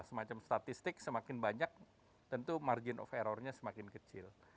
semacam statistik semakin banyak tentu margin of errornya semakin kecil